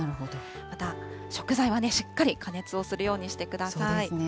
また、食材はしっかり加熱をするようにしてください。